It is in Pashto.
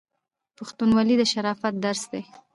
پښتونولي د شرافت درس دی.